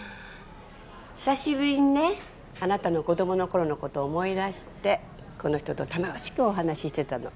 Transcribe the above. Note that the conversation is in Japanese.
久しぶりにねあなたの子供のころのこと思い出してこの人と楽しくお話ししてたの。